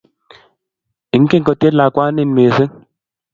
Inget kotyen lakwanin missing'